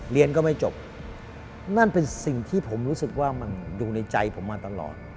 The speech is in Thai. เรียนก็ไม่จบนั่นเป็นสิ่งที่ผมรู้สึกว่ามันดูในใจผมมาตลอด